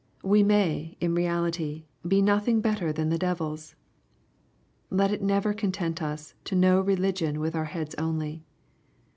We may, in reality, be nothing better than the devils. Let it never content tis to know religion with our heads only.